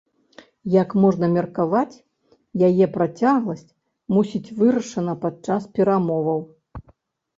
Як можна меркаваць, яе працягласць мусіць вырашана падчас перамоваў.